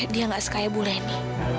dia gak sekaya bu reni